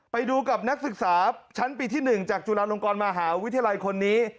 ไปดูกับนักศึกษาชั้นปีที่๑จากจุฬาลงกรมหาวิทยาลัยคนนี้